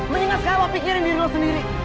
mendingan sekarang lo pikirin diri lo sendiri